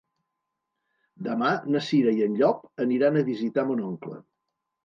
Demà na Cira i en Llop aniran a visitar mon oncle.